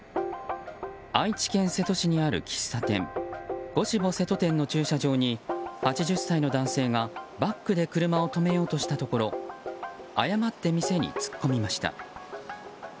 愛知県瀬戸市にある喫茶店ゴシボ瀬戸店の駐車場に８０歳の男性がバックで車を止めようとしたところ誤って店に突っ込みました。